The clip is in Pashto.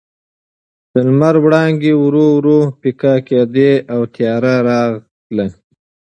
د لمر وړانګې ورو ورو پیکه کېدې او تیارې راغلې.